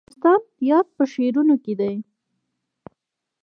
د افغانستان یاد په شعرونو کې دی